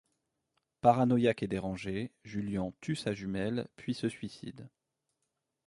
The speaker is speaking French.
Paranoïaque et dérangé, Julian tue sa jumelle puis se suicide.